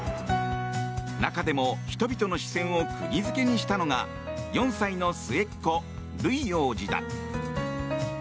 中でも人々の視線をくぎ付けにしたのが４歳の末っ子ルイ王子だ。